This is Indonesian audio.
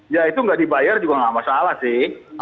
ya itu nggak dibayar juga nggak masalah sih